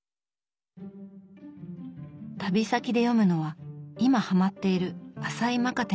旅先で読むのは今ハマっている朝井まかて